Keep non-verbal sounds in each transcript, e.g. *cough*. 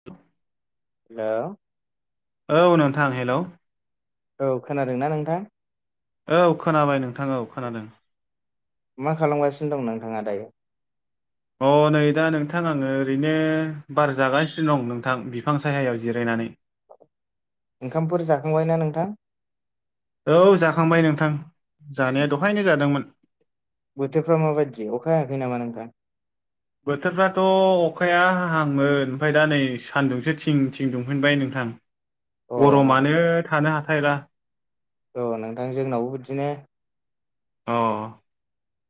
*inaudible* Hello. औ नोंथां hello. औ खोनादोंना नोंथां। औ खोनाबाय नोंथां औ खोनादों। मा खालामगासिनो दं नोंथाङा दायो? अ नै दा नोंथां आङो ओरैनो बार जागासिनो दं नोंथां बिफां साहायाव जिरायनानै। ओंखामफोर जाखांबायना नोंथां? औ जाखांबाय नोंथां, जानाया दहायनो जादोंमोन। बोथोरफ्रा माबायदि अखा हायाखै नामा नोंथां? बोथोरफ्राथ' अखाया हाहांमोन ओमफ्राय दा नै सानदुंसो थिं थिं दुंफिनबाय नोंथां। अ नोंथां गरमानो थानो हाथायला। औ नोंथां जोंनावबो बिदिनो। अ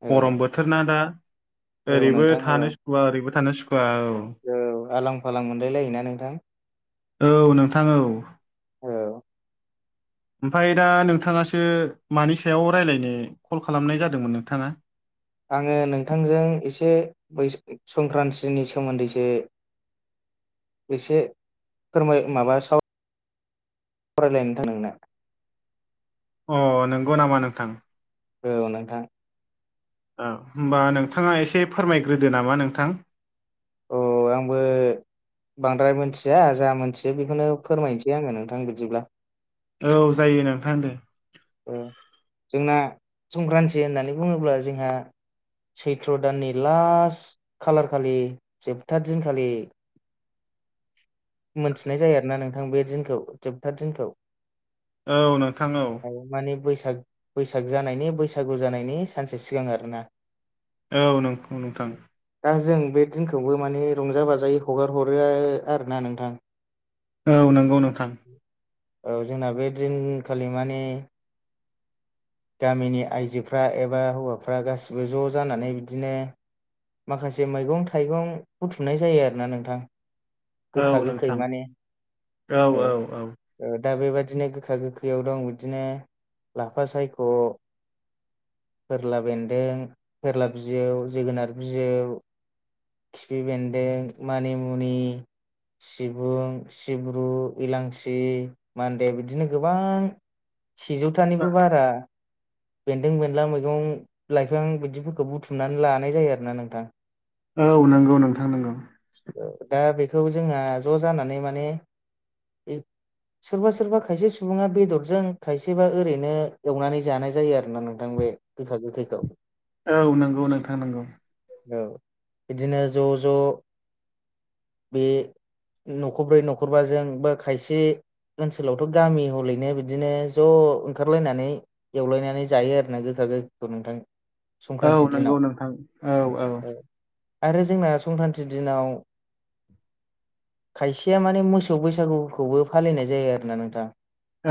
औ गरम बोथोर ना दा औ ओरैबो नोंथां औ थानो सुखुआ ओरैबो थानो सुखुवा औ। औ आलां फालां मोनलाय लायो। ना नोंथां। औ नोंथां औ। औ। ओमफाय दा नोंथाङासो मानि सायाव रायलायनो कल खालामनाय जादोंमोन नोंथाङा। आङो नोंथांजों एसे बै संक्रान्तिनि सोमोन्दैसो एसे फोरमाय माबा साव लायनो थां नोंनो। अ नंगौ नामा नोंथां? औ नोंथां। औ होमबा नोंथाङा एसे फोरमायग्रोदो नामा नोंथां। औ आंबो बांद्राय मिथिया जा मोनथियो बेखौनो फोरमायनिसै आङो नोंथां बिदिब्ला। औ जायो नोंथां दे। ओ जोंना संक्रान्ति होननानै बुङोब्ला जोंहा। सैथ्र' दाननि लास्ट खालार खालि जोबथा दिनखालि मोनथिनाय जायो आरोना नोंथां बे दिनखौ जोबथा दिनखौ औ नोंथां औ। माने बैसाग बैसाग जानायनि बैसागु जानायनि सानसे सिगां आरोना औ नंगौ नोंथां। दा जों बे दिनखौबो माने रंजा बाजायै हगारहरो आरोना नोंथां। औ नंगौ नोंथां। औ जोंना बे दिनखालि माने गामिनि आइजोफ्रा एबा हौवाफ्रा गासिबो ज' जानानै बिदिनो माखासे मैगं थाइगं बुथुमनाय जायो आरोना नोंथां औ गोखा गोखै नोंथां माने औ। ओ दा बेबादिनो गोखा गोखैयाव दं बिदिनो लाफा सायख', फोरला बेन्दों, फोरला बिजौ, जोगोनार बिजौ, खिफि बेन्दों, मानिमुनि, सिबुं, सिब्रु, इलांसि, मानदे, बिदिनो गोबां सेजौथानिबो बारा बेन्दों बेनला मैगं लाइफां बिदिफोरखौ बुथुमनानै लानाय जायो आरो ना नोंथां। औ नंगौ नोंथां नोंगौ। दा बेखौ जोंहा ज' जानानै माने, बे सोरबा सोरबा खायसे सुबुङा बेदरजों खायसेबा ओरैनो एवनानै जानाय जायो आरो ना नोंथां बे बिफा गथैखौ। औ नंगौ नोंथां नंगौ। औ बिदिनो ज' ज' बे न'खरब्रै न'खरबाजोंबो खायसे ओनसोलावथ' गामि हलैनो बिदिनो ज' ओंखारलायनानै एवलायनानै जायो आरोना गोखा गोखैखौ नोंथां। औ संक्रान्ति दिनाव नंगौ नोंथां औ औ। आरो जोंना संख्रान्थि दिनाव खायसेया माने मोसौ बैसागुखौबो फालिनाय जायो आरोना नोंथां।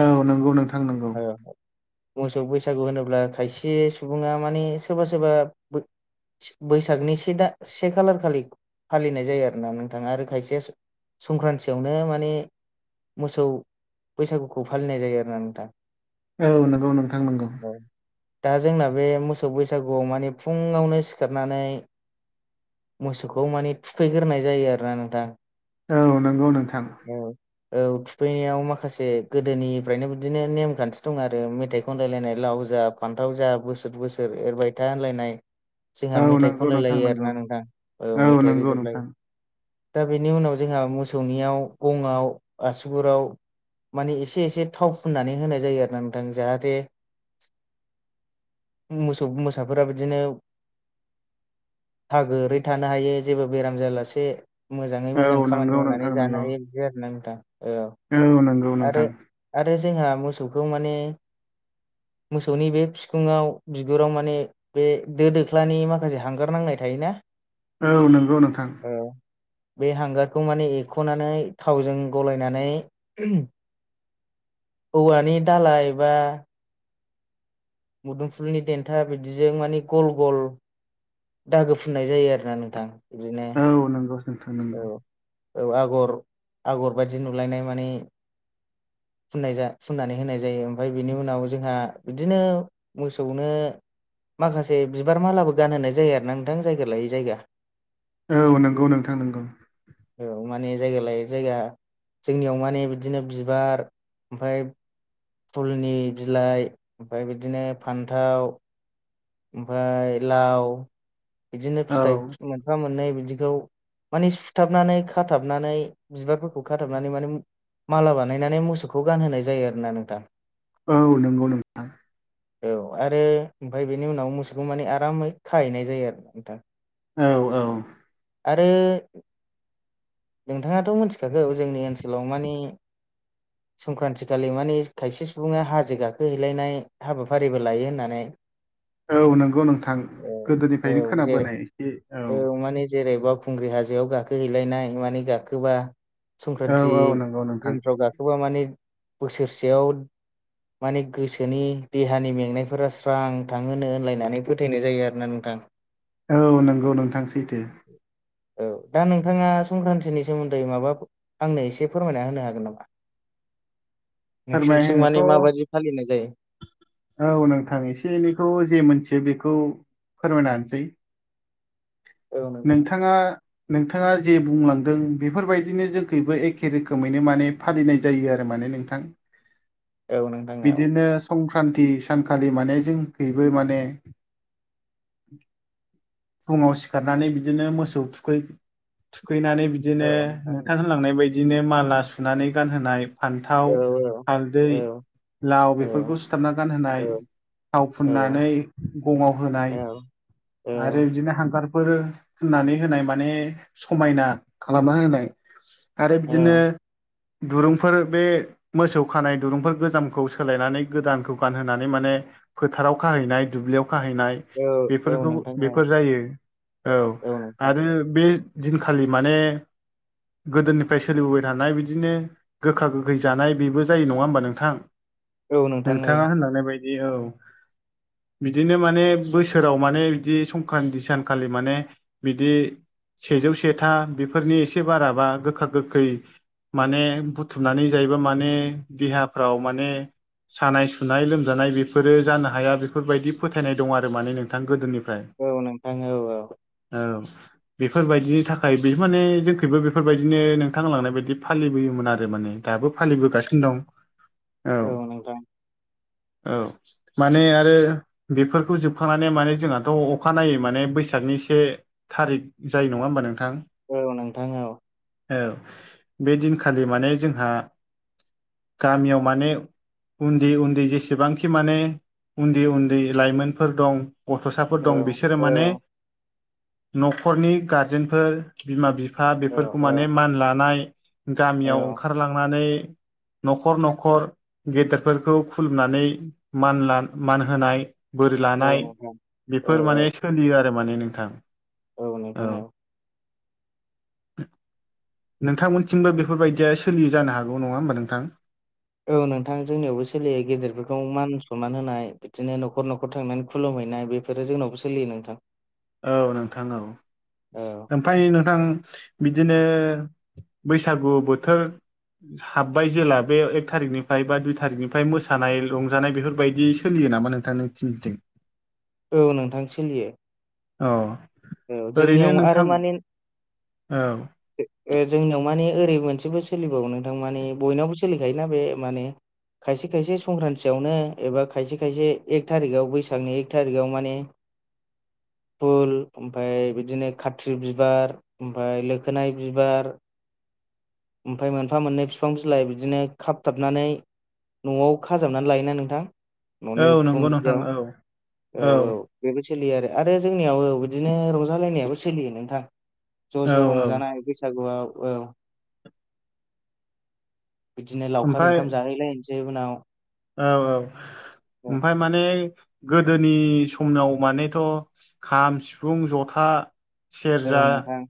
औ नंगौ नोंथां नंगौ। मोसौ बैसागु होनोब्ला खायसे सुबुङा माने सोरबा सोरबा बैसागनि से दा से खालार खालि फालिनाय जायो आरोना नोंथाङा आरो खायसेया संक्रान्तियावनो माने मोसौ बैसागुखौ फालिनाय जायो आरोना नोंथां। औ नंगौ नोंथां नोंगौ। दा जोंना बे मोसौ बैसागुआव माने फुङावनो सिखारनानै मोसौखौ माने थुफैग्रोनाय जायो आरोना नोंथां। औ नंगौ नोंथां। औ औ थुफैनायाव माखासे गोदोनिफ्रायनो बिदिनो नेमखान्थि दं आरो मेथाइ खनलायलायनाय लाव जा फान्थाव जा बोसोर बोसोर एरबाय था होनलायनाय जोंहा औ मेथाइ नंगौ खनलाय नोंथां लायो नंगौ आरोना नोंथां औ मेथाइ नंगौ रोजाबलायो। नोंथां दा बेनि उनाव जोंहा मोसौनियाव गंआव आसुगुराव माने एसे एसे थाव फुननानै होनाय जायो आरोना नोंथां जाहाथे मोसौ मोसाफोरा बिदिनो हागोरै थानो हायो जेबो बेराम जालासे मोजाङै मोजां औ खामानि नंगौ मावनानै नोंथां नंगौ जानो हायो बिदि आरो ना नोंथां औ औ नंगौ आरो नोंथां आरो जोंहा मोसौखौ माने मोसौनि बे फिखुङाव बिगुराव माने बे दो दोख्लानि माखासे हांगार नांनाय थायोना औ नंगौ नोंथां। औ। बे हांगारखौ माने एरख'नानै थावजों गलायनानै औवानि दाालाय बा मुदुमफुलनि देन्था बिदिजों माने गल गल दागो फुननाय जायो आरो ना नोंथां बिदिनो। औ नंगौ। नोंथां औ नंगौ औ आगर आगर बायदि नुलायनाय माने फनाय जा फुननानै होनाय जायो ओमफफ्राय बेनि उनाव जोंहा बिदिनो मोसौनो माखासे बिबार मालाबो गानहोनाय जाया आरोना नोंथां जायगा लायै जायगा औ नंगौ नोंथां नोंगौ औ माने जायगा लायो जायगा जोंनियाव माने बिदिनो बिबार ओमफफ्राय फुलनि बिलाइ ओमफफ्राय बिदिनो फान्थाव ओमफफ्राय लाव बिदिनो फिथाइ औ मोनफा मोननै बिदिखौ माने सुथाबनानै खाथाबनानै बिबारफोरखौ खाथाबनानै माने माला बानायनानै मोसौखौ गानहोनाय जायो आरोना नोंथां। औ नंगौ नोंथां। औ आरो ओमफ्राय बेनि उनाव मोसौखौ माने आरामै खाहैनाय जायो आरो नोंथां। औ औ। आरो नोंथाङाथ' मिथिखागौ जोंनि ओनसोलाव मानि संक्रान्तिखालि माने खायसे सुबुङा हाजो गाखोहैलायनाय हाबाफारिबो लायो होननानै औ नंगौ नोंथां गोदोनिफ्रायनो खोनाबोनाय एसे औ म जेरैबा खुंग्रि हाजोआव गाखोहैलायनाय माने गाखोबा संक्रान्ति औ औ नंगौ नोंथां दिनफ्राव गाख सोरबा माने बोसोरसेयाव माने गोसोनि देहानि मेंनायफोरा स्रां नोंथां होनो होनलायनानै फोथायनाय जायो आरोना नोंथां। औ नंगौ नोंथांसैथो। औ दा नोंथाङा संक्रान्तिनि सोमोन्दै माबा आंनो एसे फोरमायना होनो हागोन नामा? नोंसोरनिथिं माने फोरमायहोनोथ' माबायदि फालिनाय जायो? औ नोंथां एसे एनैखौ जे मोनथियो बेखौ फोरमायनासै। औ नोंथां नोंथाङा नोंथाङा जे बुंलांदों बेफोरबायदिनो जोंखबो एखे रोखोमैनो माने फालिनाय जायो आरो माने नोंथां। एनो बिदिनो संक्रान्ति सानखालि माने जोंखैयबो माने फुङाव सिखारनानै बिदिनो मोसौव थुखैनानै बिदिनो नोंथां लांनाय बायदिनो माला सुनानै गानहोनाय फान्थाव औ औ हालदै औ लाव बेफोरखौ सुथाबना औ गानहोनाय थाव औ फुननानै गंङाव होनाय आरो बिदिनो हांगारफोर फुननानै होनाय माने समायना खालामना होनाय आरो बिदिनो दुरुंफोर बे मोसौव खानाय दुरुंफोर गोजामखौ सोलायनानै गोदानखौ गानहोनानै माने फोथाराव खाहैनाय दुब्लियाव खाहैनाय औ औ बेफोरखौ नोंथां। औ बेफोर जायो औ आरो बे दिनखालि माने गोदोनिफ्राय सोलिबोबाय थानाय बिदिनो गोखा गोखैय जानाय बेबो जायो नंङा होमबा नोंथां औ नोंथां नोंथाङा होनलांनाय बायदि ए औ बिदिनो माने बोसोराव माने बिदि संक्रान्ति सानखालि माने बिदि सेजौ सेथा बेफोरनि एसे बाराबा गोखा गोखैय माने बुथुमनानै जायोबा माने देहाफ्राव माने सानाय सुनाय लोमजानाय बेफोरो जानो हाया बेफोरबायदि फोथायनाय दं आरो माने नोंथां गोदोनिफ्राय। औ नोंथां औ औ। औ बेफोरबायदिनि थाखाय बे माने जोंखैबो बेफोरबायदिनो नोंथां होनलांनाय बायदि फालिबोयोमोन आरो माने दाबो फालिबोगासिनो दं *inaudible* औ नोंथां औ माने आरो बेफोरखौ जोबखांनानै माने जोंहाथ' अखानायै माने बैसागनि से थारिक जायो नङा होमबा नोंथां? औ नोंथां औ औ बे दिनखालि माने जोंहा गामियाव माने उन्दै उन्दै जेसेबांखि माने उन्दै उन्दै लाइमोनफोर दं। गथ'साफोर औ दं बिसोरो औ माने न'खरनि गारजेनफोर बिमा बिफा फ्रा औ बेफोरखौ माने मान लानाय गामियाव ओंखारलांनानै न'खर न'खर गेदेरफोरखौ खुलुमनानै मान मान होनाय बोर औ लानाय नोंथां औ बेफोर माने सोलियो आरो माने नोंथां। औ नोंथांमोनथिंबो बेफोरबायदिया सोलियो जानो हागौ नङा होमबा नोंथां। औ नोंथां जोंनियावबो सोलियो गेदेरफोरखौ मान सनमान होनाय बिदिनो न'खर न'खर थांनानै खुलुमहैनाय बेफो बेफोरो जोंनावबो सोलियो नोंथां औ नोंथां औ औ ओमफ्राय नोंथां बिदिनो बैसागु बोथोर हाबबाय जेला बे एक थारिखनिफ्राय बा दुइ थारिखनिफ्राय मोसानाय रंजानाय बेफोरबायदि सोलियो नामा नों *unintelligible* औ नोंथां सोलियो औ औ ओरैनो जोंनियाव आरो नोंथां माने औ ओ जोंनियाव माने ओरै मोनसेबो सोलिबावो नोंथां माने बयनावबो सोलिखायोना बे माने खायसे खायसे संक्रान्तयावनो एबा खायसे खायसे एक थारिखआव बैसागनि एक थारिखआव माने फुल ओमफ्राय बिदिनो खाथ्रि बिबार ओमफ्राय लोखोनाय बिबार ओमफ्राय मोनफा मोननै फिफां बिलाइ बिदिनो खाबथाबनानै न'आव खाजाबनानै लायोना नोंथां न'नि औ नंगौ उखुम नोंथां बिदियाव औ औ औ बेबो सोलियो आरो आरो जोंनियाव बिदिनो रंजालायनायाबो सोलियो नोंथां ज' औ ज' औ रंजानाय बैसागुआव औ बिदिनो लावखार ओमफ्राय ओंखाम जाहैलायसै उनाव औ औ औ ओमफ्राय माने गोदोनि समाव मानेथ' खाम सिफुं जथा औ सेरजा नोंथां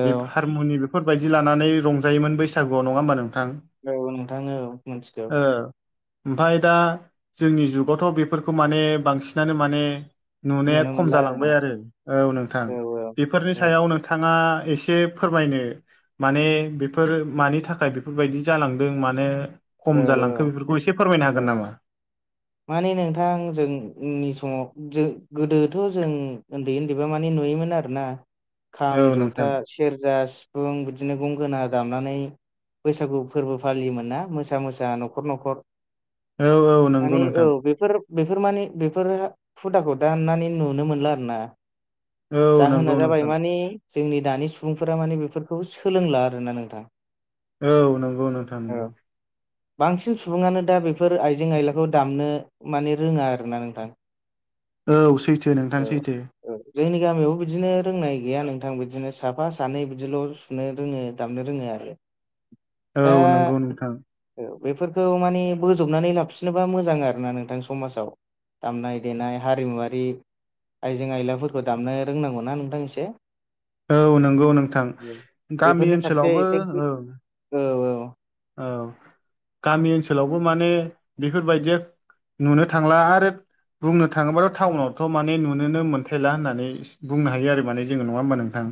औ बे हारमुनि बेफोरबायदि लानानै रंजायोमोन बैसागुआव नङा होमबा नोंथां? नोंगौ नोंथां औ मिथिगौ ओमफ्राय दा जोंनि जुगावथ' बेफोरखौ माने बांसिनानो माने नुनाया नुनो खम मोनला आरोना जालांबाय आरो औ नोंथां बेफोरनि औ सायाव नोंथाङा एसे फोरमायनो माने बेफोरो मानि थाखाय बेफोरबायदि जालांदों मानो औ खम जालांखो औ बेफोरखौ एसे फोरमायनो हागोन औ नामा? माने नोंथां जोंनि समाव जों गोदोथ' जों उन्दै उन्दैबा माने नुयोमोन आरोना औ खाम जथा नोंथां सि सेरजा सिफुं बिदिनो गंगोना दामनानै बैसागु फोरबो फालियोमोन ना मोसा मोसा न'खर न'खर औ औ नंगौ माने औ नोंथां बेफोर बेफोर माने बेफोर हुदाखौ दाननानै नुनो मोनला आरो ना औ नंगौ जाहोना जाबाय नोंथां मानि जोंनि दानि सुबुंफोरा माने बेफोरखौ सोलोंला आरोना नोंथां औ नंगौ नोंथा औ नंगौ बांसिन सुबुङानो दा बेफोर आइजें आयलाखौ दामनो माने रोङा आरो ना नोंथां औ सैथो नोंथां सैथो। जोंनि गामियावबो बिदिनो रोंनाय गैया नोंथां बिदिनो साफा सानै बिदिल' दामनो रोङो दामनो रोङो आरो। दा औ नंगौ नोंथां औ बेफोरखौ माने बोजबनानै लाबोफिनोबा मोजां आरोना नोंथां समाजाव। दामनाय देनाय हारिमुवारि आयजें आइलाफोरखौ दामनो रोंनांगौना नोंथां एसे औ नंगौ नोंथां गामि बेफोरनि फारसे ओनसोलावबो एसे औ औ औ औ गामि ओनसोलावबो माने बेफोरबायदिया नुनो थांला आरो बुंनो थाङोबाथ' टाउनावथ' माने नुनोनो मोनथायला होननानै बुंनो हायो आरो माने जोङो नङा होमबा नोंथां?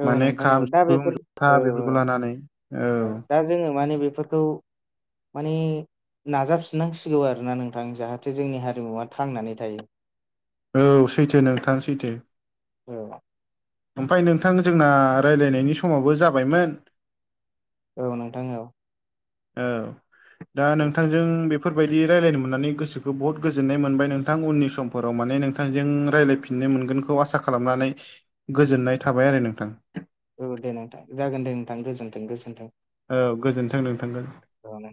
औ औ माने नोंथां खाम, औ दा सिफुं, बेफोर जथा औ बेफोरखौ लानानै औ। जोङो माने बेफोरखौ माने नाजाबफिननांसिगौ आरोना नोंथां। जाहाथे जोंनि हारिमुवा थांनानै थायो। औ सैथो नोंथां सैथो। औ। ओमफ्राय नोंथां जोंना रायलायनायनि समावबो जाबायमोन। औ नोंथां औ। औ दा औ नोंथांजों बे बेफोरबायदि रायलायनो मोननानै गोसोखौ बहुत गोजोननाय मोनबाय नोंथां उननि समफोराव माने नोंथांजों रायलायफि ननो मोनगोनखौ आसा खालामनानै गोजोननाय थाबाय आरो नोंथां। औ दे नोंथां जागोन दे नोंथां गोजोन्थों गोजोन्थों। औ गोजोन्थों नों थांगोन। औ नों